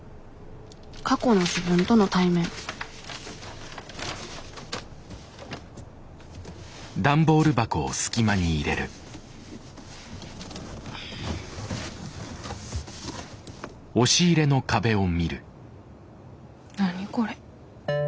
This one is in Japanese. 過去の自分との対面何これ。